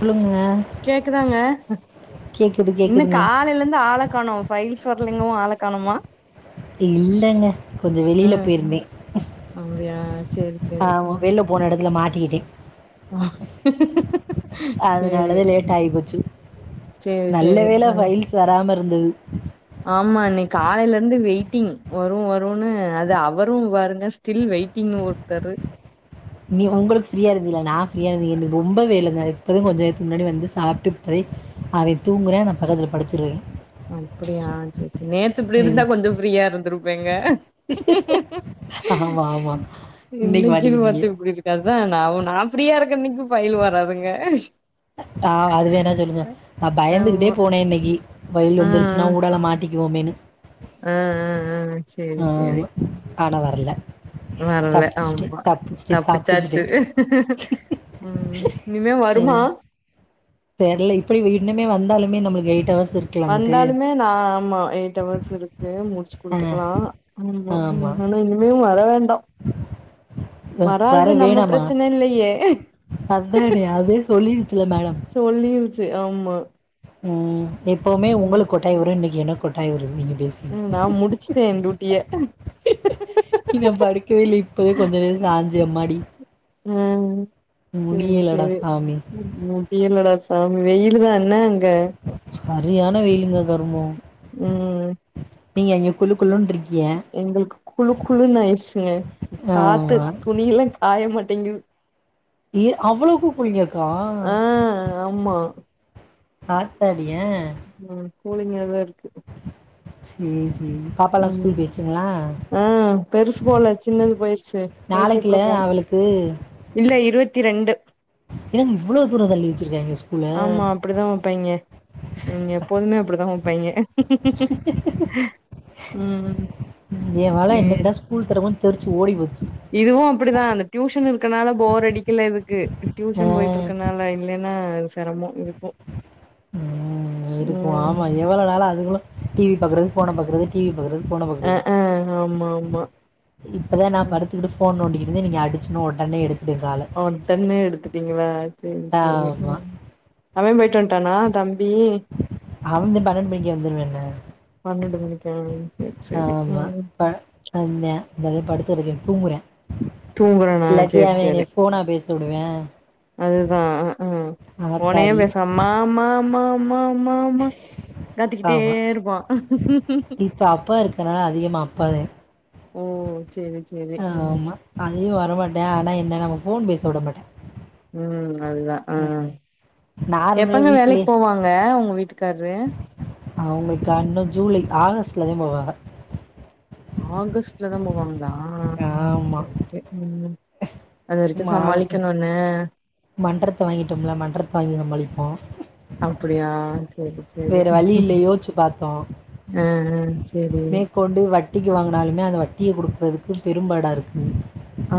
சொல்லுங்க கேக்குதாங்க கேட்குது என்ன கேட்குதுங்க காலையில இருந்து ஆள காணும் பைல்ஸா பிள்ளைங்களும் ஆள காணோமா இல்லைங்க கொஞ்சம் வெளியில ம் போயிருந்தேன் அப்டியா சேரி சேரி ஆஹ் ம் வெளில போன இடத்துல மாட் டிகிட்டேன் சேரி அதனாலதான் லேட் ஆகி போச்சு சேரி நல்ல சேரி வேலை ம் பைல்ஸ் வராம வந்து ஆமா இன்னைக்கு காலையில இருந்து வெயிட்டிங் வரும் வரும்ன்னனு அது அவரும் பாருங்க ஸ்டில் வெயிட்டிங்னு போட்டாரு நீ உங்களுக்கு ஃப்ரீயா இருந்தியலா நான் ஃப்ரீயா இருந்தது இல்ல ரொம்ப வேலை இப்போ தான் கொஞ்ச நேரத்துக்கு முன்னாடி வந்து சாப்பிட்டு அவன் தூங்குறான் நான் பக்கத்தில படுத்துருவேன் அப்படியா செரி செரி நேத்து இப்படி இருந்தா கொஞ்சம் ஃப்ரீயா இருந்துருப் பேங்க ஆமாம் ஆமாம் இன்னைக்கு இன்னைக்குன்னு மாட்டிக்கிட்டீங்க பாத்து இப்படி இருக்காது அதான் நான் ஃப்ரீயா இருக் இன்னைக்கு பைல் வராதுங்க ஆஹ் அதுவேணா சொல்லுங்க நான் பயந்துகிட்டே ஆமா போனேன் இன்னைக்கு பைல் வந்துருச்சுன்னா உடல மாட்டி க்குவோமேனு உம் உம் செரி செரி ஆனால் வரல வரலை தப்பிச்சுட்டு ஆமா தப்பிச்சுட்டு தப்பிச்சுட்டு தப்பிச்சாச்சு உம் இனிமே வருமா தெரியல இப்படி இன்னுமே வந்தாலுமே நம்ம எயிட்ஹவர்ஸ் வந்தாலுமே நான் ஆமா எயிட்ஹவர்ஸ் இருக்கு முடிச்சு ஆ குடுத்துக்கலாம் ஆமா உம் ஆனா இனிமே வர வேண்டாம் வர வேணாம பிரச்சன இல்லையே அதானே அதே சொல்லிருச்சுல மேடம் சொல்லிருச்சி ஆமா உம் எப்பவுமே ம் உங்களுக்கு கொட்டாய் வரும் இன்னைக்கு எனக்கு கொட்டாய் வருது இன்னிக்கு ம் நா முடிச்சுட்டே என் டியூட்டிய இன்னும் படுக்கவேயில்லஇப்போதேன் கொஞ்ச நேரம் சாஞ்சேன் அம்மாடி உம் உம் முடியலடா சேரி சாமி முடியலடா ஆஹ் வெயிலு தான் என்ன அங்க சரியான வெயிலுங்க கரும்மோ உம் நீங்க அங்கே குளு குளுன்னு இருக் எங்களுக்கு குழு குழுன்னு ஆயிடுச்சுங்க காத்து ஆமா துணிய எல்லாம் காய மாட் டெங்குயூ ஏ அவ்வளவுக்கு குளிங் இருக்கா ஆ ஆமா ஆத்தாடி ஏன் கூலிங்கதா இருக்கு சேரி பாப்பா எல்லாம் ம் ஸ்கூல் போய்டுச்சுங்களா ஆ பெருசு போல சின்னது போயிருச்சு போய் நாளைக்குல கூப்ட போணு அவளுக்கு இல்ல இருவத்தி ரெண்டு என்னங்க இவ்வளவு தூரம் தள்ளி வச்சிருக்காங்க ஸ்கூல ஆமா அப்புடிதான் வைப்பாய்ங்க எப்போதுமே அப்புடி தா வைப்பாய்ங்க [inaudible] உம் இவன்லா என்னகிதா ஸ்கூல் தொறப்ப தெரிச்சு ஓடி போச்சு இதுவும் அப்படிதான் அந்த டியூஷன் இருக்கு க்கனால போர் அடிக்கல இதுக்கு ஆ டியூஷன் போயிட்டு இருக்கனால இல்லைன்னா சிரமோ இது உம் இருக்கும் ம் ஆமா எவ்வளவு நால அதுகளும் டிவி பாக்குறது போன பாக்குறது டிவி பாக்குறது போன அ பாக்குறது ஆ ஆமா ஆமா இப்பதான் நான் ம் படுத்துக்கிட்டு போன் நோண்டிக்கிட் இருந்து நீங்க அடிச்சுனா உடனே எடுத் ஒடனே எடுத்துட்டீங்களா சேரி சேரி உ ஆமா அவன் போயட்டு வன் டான தம் அவந்து பன்னெண்டு மணிக்கு வந்துருவேன பன்னெண்டு மணிக்கா சேரி சேரி ஆமா ம் வந்தான் ப்ப வந்து படுத்து தூருகே தூங்குறேன் தூங்குறனா சேரி சேரி ஃபோனா பேச வுடுவே அதுதான் ஆஹ் போனே ஆத்தாடி பேச மாமாமா மா மா மா கத்திக்கிட்டே ஆமா இருப்பான் இப்ப அப்பா இருக்கனால ஓ ஆ ம் ஆமா அதயும் வர மாட்டேன் ஆனா என்ன நம்ம போன் பேச விட மாட்டேன் உம் அதுதான் ஆ நார்மலா எப்பங்க வேலைக்கு வீட்லயே போவாங்க உங்க வீட்டுக்கு கரு அவங்களுக்க இன்னும் ஜூலை ஆகஸ்ட்லதே போவாங்க ஆகஸ்ட் லதா போவாங்களா ஆஹ் ஆமா ஓகே ஓகே உம் அது வரைக்கும் சமாளிக்கணுன்னு [inaudible] மன்றத்தை வாங்கிட்டோம்ல மன்றத்தை வாங்கி நம்மழிப்போம் அப்டியா சேரி சேரி வேற வழி இல்ல யோச்சி பாத்தோம் ஆ ஆ சேரி மேகொண்டுக்குவ வட்டிக்கு வாங்கினாலுமே அந்த வட்டியை கொடுக்குறதுக்கு பெரும்பாடா இருக்கு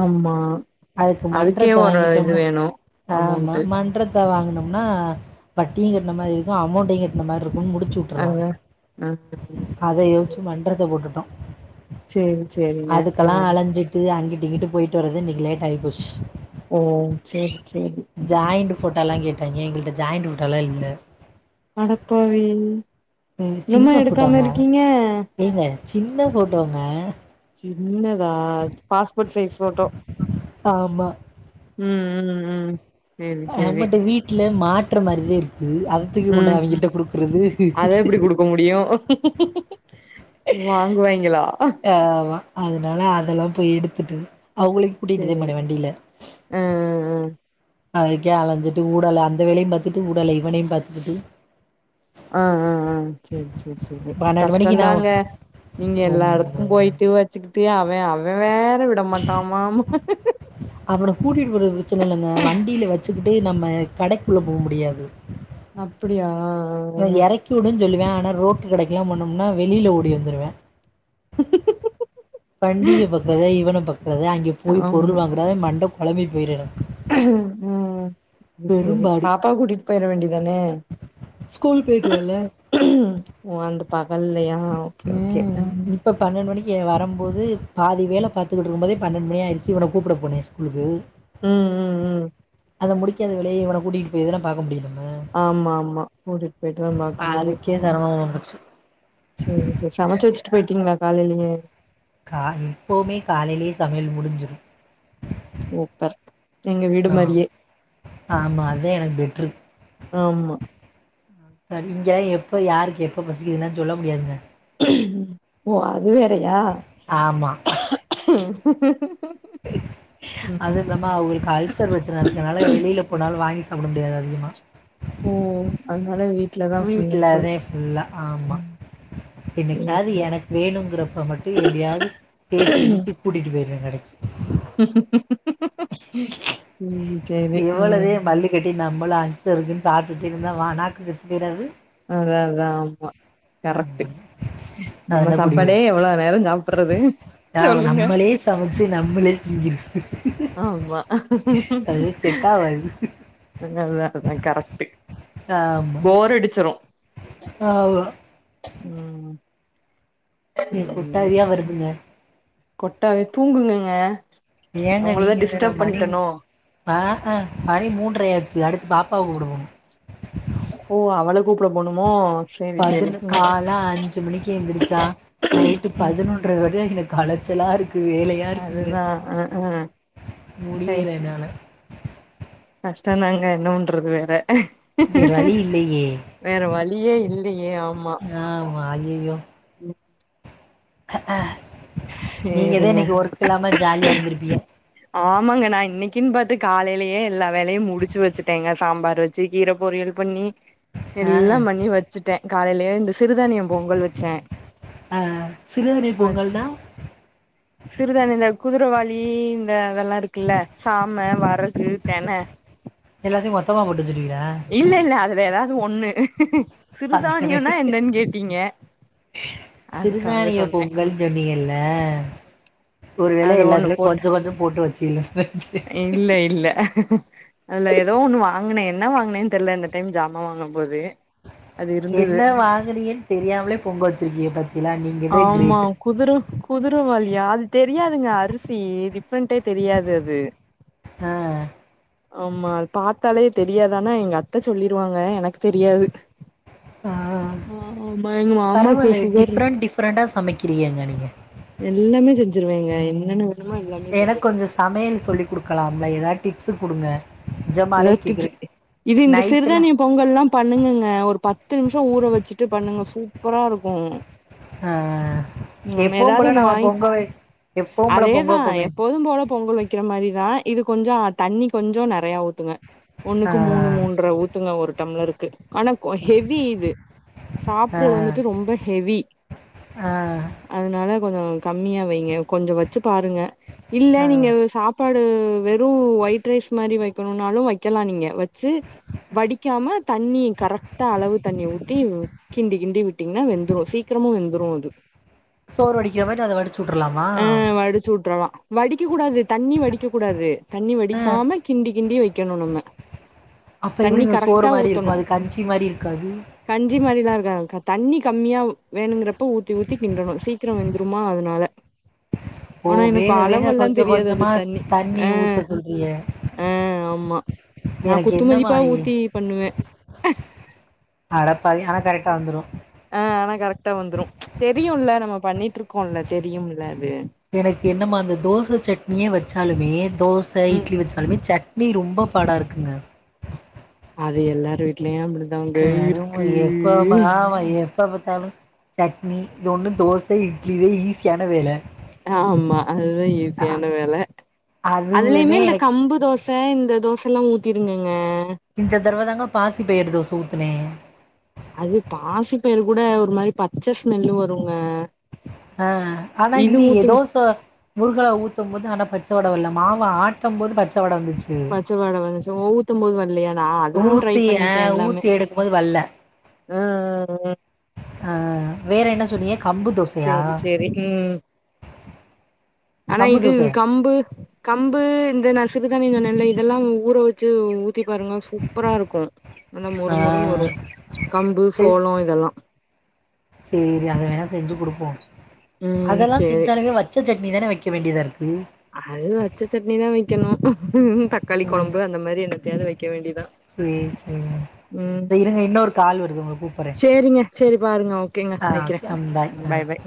ஆம்மா அதுக்கு மன்றத்த வாங்கிட்டோம்ன ஆமா அமௌண்ட்டு மன்றத் வாங்கினும்னா வட்டியு கட்ன மாதிரி இருக்கு அமௌன்டையு கட்ன மாரி இருக் முன் முடிச்சு அங்க ஆ உட்ருலாஅதை சேரி யோசிச்சு மன்றத்த போட்டுட்டோ சேரி சேரிங்க ஆ அதுக்கெல்லாம் அலஞ்சிட்டு அங்கே இங்கட்டு போயிட்டு வறது இன்னகி லேட் தைபுஷ் ஓ செரி செரி எங்கிட்ட ஜாயிண்டுபோடாலா இல்ல அடபாவி ம் இன்னும்மா சின்ன எடுக்காம ஃபோட்டோங்க இருக்கீங்க ஏங்க சின்ன போட்டோங்க இல்ல பாஸ்போ்ட் சைஸ் போட்டோ ஆமா உம் ம் ம் சேரி சேரி யனபட்ட வீட்டுல மாட் முற்றும் அறிவீர் அத துக்கிகெண்டு ம் அவங்கிட்ட கொடுக்கறது [unintelligible] வாங்குவாங்கிலா ஆமா அதனால அதெல்லாம் போய் எடுத்துட்டு அவங்களையு கூட்டிட்டுதே சேரி போணே வண்டியில ஆ அதுக்கே அலைஞ்சிட்டு ஊடலா அந்த வேலையு பாத்துட்டு ஊடலா இவனையு பாத்துக்கிட்டு ஆஹ் ஆஹ் ஆஹ் சரி சரி சரி பன்னெண்டு மணிக்கு நா கஷ்டோந்தாங்க நீங்க எல்லா எடத்துக்கும் ரொம்ப போயிட்டு வச்சுக்கிட்டு அ வ அவ வே ற விட மாட்டாம்மா அவன கூட்டிட்டு போறது பிரச்சன இல்லைங்க வண்டியில வச்சுக்கிட்டு நம்ம கடைக்குள்ள போ முடியாது அப்டியா அ ஆ எறக்கி விடுன்னு சொல்லுவா ஆனா ரோட்டு கடைக்கெல்லா போணோம்னா வெளில ஓடி வந்துருவ [inaudible] வண்டிய பாக்றதா இவன பாக் கறதா அங்க ஆ போய் பொருள் வாங்கறதா மண்ட கெளம்பி போய்றதா உம் சேரி சேரி பெரும்பாடு பாப்பா கூட்டிட் போயற வேண்டியது அதானே ஸ்கூல் போயிட்டு வரல அ அந்த வல்லயா ஓகே ஓகே ம் க்கு வரும்போது பாதி வேல பாத்துக்கிட்டு இருக்கும்போதே பன்னெண்டு மணி ஆயிரு ச்சு இவன கூப்பட போனே ஸ்கூலுக்கு உம் உம் உம் அவ முடிக்காத வேலய இவன கூட்டிட்டு போய்தான பாக்க முடியு ஆமா ஆமா கூட்டிட் போயிட்டுதா பாக்க முடியு அதுக்கே ம் சிரமமாக போச்சு சேரி சேரி சமைச்சு வெச் போயிட்டீங்களா காலையிலயே கா எப்போவுமே காலையிலயே சமையல் முடிஞ்சிரு சூப்பர் எங்க வீடு மாரியே ஆமா அதேன் எனக்கு பெட்ரு ஆமா சரி இங்க எப்ப யாருக்கு எப்ப பசிக்குதுனுலா சொல்ல முடியாதுங்க ஓ அது வேறயா [unintelligible] ம் அது இல்லாம அவுகளுக்கு அல்சர் பிரச்சன இருக்குனால வெளில போனாலு வாங்கி சாப்ட முடியாது அதிகமா ஓ ஓ அதனால வீ வீட்லதே புல்லா ஆமா ம் என்னைக்காவது எனக்கு வேணுங்கிறப்ப மட்டும் எப்படியாவது பேச்சி கீச்சி கூட்டிட்டு போயிருவ கடைக். [inaudible] [unintelligible] [unintelligible] எவ்வளதே ம் மள்ளுக்கட்டி நம். மளு அஞ்சு இருக்கும் சாப்பட்டு இருந்தா நாக்கு செத்து போய்றாது. அதாதா. ஆமா கரெக்ட்டு. நம்ம அதெல்லாம் கூட்டிட்டு சாப்பாடே போயிருவேன். எவ்வளவு நேரம் சாப்புறது ஆ சொல்லுங்க. நம்மளே சமைச்சு நம்மளே திங்கிறது. ஆமா. அது செட் [unintelligible] ஆவாது. அதுதா கரெக்ட்டு ஆமா. போர் அடிச்சிரு ஆமா. உம். உம். நீங்க குட்டாரியா வருவீங்க. கொட்டாவே தூங்குங்கங்க. ஏங்க உங்களதா நீங்க வேற டிஸ்டர்ப் மணி பண்ட்டனோ ஆஹ. ஆஹ பணி மூன்றையாச்சு அடுத்து. பாப்பா கூப்ட போனு. ஓ அவ்ள கூப்பட போணுமோ. சேரி சேரி பதினு ம் கால அஞ்சு மணிக்கு எந்துருச். சா. நைட்டு ம் பதினொன்ற வர எங்களுக்கு அலச்சலா இருக்கு. து வேலையா இருக்குது. அதுதா அ அ முடியல என்னால. கஷ்டதாங்க என்னவன்றது வேற. வேற வழி இல்லையே வேற வழியே இல்லையே ஆமா ஆமா ஐயையோ. அஹஹே. நீங்கதா இன்னிக்கு சேரிங்க ஒர்க் இல்லாம ஜாலியா இருந்திருப்பீங்க ஆமாங்க நான இன்னிக்குன்னு பாத்து காலையிலயே எல்லா வேலையும் முடிச்சு வச்சுட்டேங்க சாம்பார் வச்சு கீர பொரியல் பண்ணி. ஆ எல்லாம் பண்ணி வச்சிட்ட. காலையில எழுந்து. சிறுதானியம் பொங்கல் வச்ச. ஆ சிறுதானிய பொங்கல்னா சிறுதானிய இந்த குதிரவாளி இந்த அததெல்லா இருக்குல்ல சாம, வரகு, தென. எல்லாத்தையும் மொத்தமா போட்டு வச்சுருவியா. இல்ல இல்ல அது. வேதா. அ என்னன்னு கேட்டீங்க அதுக்காக சிறுநானிய சொன்னே பொங்கல் சொன்னீங்கல்ல ஒருவேளை அதுல ஒண்ணு எல்லாத்துலயும் போட்ட கொஞ்சம் கொஞ்சம் போட்டு வச்சு [unintelligible] இல்ல இல்ல அந்த ஏதோ ஒண்ணு வாங்கின என்ன வாங்கினேன்னு தெரியல இந்த டைம் ஜாமான் வாங்கும் போது அது இருந்தது என்ன வாங்கினீங்க தெரியாமலே பொங்க வச்சிருக்கிங்க பாத்திங்ல நீங்கதா ஆமா கிரேட் குதிர குதிரவாலியா அது தெரியாதுங்க அரிசி டிஃப்ரெண்டே தெரியாது அது ஆஹ் ஆமா அ பார்த்தாலே தெரியாது ஆன எங்க அத்தை சொல்லிருவாங்க எனக்கு தெரியாது ஆஹ் ஆமா எங்க மாமாக்கு பரவாயில்ல சுகர் டிஃப்ரெண்ட் டிஃப்ரெண்டா சமைக்கிறீங்கங்க நீங்க செஞ்சருவேங்க என்னன்னு எனக் கொஞ்சோ சமயல் சொல்லி குடுங்க லாம்ல ஏதாவது டிப்ஸ்ஸு குடுங்க ஏதா நிஜமாலே இது டிப்ஸ் கேக்குறே இந்த நைட்டுல சிறுதானிய பொங்கல் எல்லாம் பண்ணுங்கங்க ஒரு பத்து பத்து நிமிஷம் ஊற வச்சுட்டு பண்ணுங்க சூப்பரா இருக்கும் ஆ உம் எப்பவும் ஏதாவது ஒண்ணு வாங்கி நம்ம ஏதாவது போல ஒன்னு வாங்கி பொங்க வை எப்பவும் போல பொங்க அதேதான் வைப்போமே எப்போதும் போல பொங்கல் வைக்கிற மாதிரிதான் இது கொஞ்சம் தண்ணி கொஞ்சம் நெறைய ஊத் ங்க ஆ ஒன்னுக்கு மூணு மூன்ற ஊத்துங்க ஒரு டம்ளர் [unintelligible] ஆனா ஹெவி இது ஆ சாப்படுறது வந்துட்டு ரொம்ப ஹெவி ஆ அதனாலகொஞ்சோ கம்மியா வைங்க கொஞ்சம் வச்சு பாருங்க இல்ல ஆ நீங்க சாப்பாடு உம் வெறும் ஒயிட் ரைஸ் மாரி வைக் னாலும் வைக்கலாம் நீங்க வச்சு வடிக்காம தண்ணி கரெக்டா அளவு தண்ணி ஊத்தி கிண்டி கிண்டி விட்டீங்கன்னா வெந்துடும் சீக்கிரமும் வெந்துடும் [inaudible] சோறு வடிக்கிற மாரி அதை வடிச்சு விட்டுருலாமா வடிக்கக்க கூடாது தண்ணி வடிக்கக் கூடாது தண்ணி ம் வடிக்காம கிண்டி கிண்டி வைக்கணும் நம்ம அப்ப தண்ணி எப்டிங்க சோறு கரெட்டா மாரி இருக்கு ஊற்றணும் அது கஞ்சி மாரி இருக்காது கஞ்சி மாரிலா இருக்க தண்ணி கம்மியா வேணுங்கிறப்ப ஊத்தி ஊத்தி கிண்டணும் சீக்கிரம் வெந்துருமா அதனால ஓ ஆனா எனக்கு வேக வேக அளவெல்லா கொஞ்சம் தெரியாது அந்த கொஞ்சமா தண்ணி ஊத்த சொல்றிய ஆஹ் ஆமா நான் எனக்கு என்னமா குத்துமதிப்பா ஊத்தி பண்ணுவேன் அஹடப்பாதி ஆனா கரெக்டா வந்துரும் டா வந்துரும் தெரியும்ல நம்ம பண்ணிட்டு இருக்கோம்ல தெரியும்ல அது எனக்கு என்னமா அந்த தோச சட்னியே வச்சாலுமே தோச ம் இட்லி வச்சாலுமே சட் நீ ரொம்ப பாடா இருக்குங்க அது எல்லாரு வீட்டுலயம் அப்டி கருமம் எப்போ மா வய எப்ப பாத்தாலும் சட்னி இது ஒன்னும் தோச இட்லி இதே ஈஸியான வேல ஆமா அதுதான் ஈஸியான வேல அதுலயுமே அதுவுமே இந்த எனக்கு கம்பு தோச சார் இந்த தோசல்லாம் ஊத்திருங்கங்க இந்த தடவ தாங்க பாசிபயறு தோச ஊத்துனே அது பாசி பயர் கூட ஒரு மாரி பச்ச ஸ்மெல் வருங்க ஆஹ ஆனா இது இல்ல ஏ ஊத்து தோச மொருகலா ஊத்தும் போது ஆனா பச்ச அதோடவிலாம் மாவ ஆட்டம் போது பச்ச தொடங்குச்சு பச்சவாட வந்துச்சா ஓ ஊதும் போது வரலயா ஊத்தி அஹ ஊத்தி எடுக்கும் போது வல்ல ஆஹ ஆஹ் உஹம் ஆஹ வேற என்ன சொன்னிங்க சேரி சேரி உம் ஆனா கம்பு இது தோசையா கம்பு கம்பு இந்த ந சிறுதானி இந்த இதெல்லாம் ஊற வச்சு சுத்தி பாருங்க சூப்பரா இருக்கும் நல்லா ஆ மொறுமொருன்னு வரும் கம்பு செ சோளம் இதெலாம் சேரி அத வேணா செஞ்சு குடுப்போம் ம் அதெலாம் சேரி செஞ்சாலே வச்ச சட்டி நீதானே வக்க வேண்டியத இருக்கு அது வச்சச்சட்னி தான் வக்கணும் தக்காளி ம் கொழம்பு அந்த மாரி எனத்தாவது வக்க வேண்டியதான் சேரி சேரி உம் இருங்க இன்னொரு கால் வருது உங்கள கூப்பறே சேரிங்க சேரி பாருங்க ஓகேங்க ஆ வக்கிறேன் ஓகே ம் ஆ பாய் பாய்